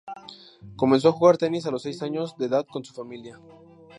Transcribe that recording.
Comenzó a jugar tenis a los seis años de edad con su familia.